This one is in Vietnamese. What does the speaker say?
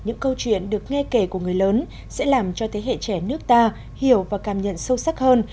những câu chuyện được nghe kể của người lớn sẽ làm cho thế hệ trẻ nước ta hiểu và cảm nhận sâu sắc hơn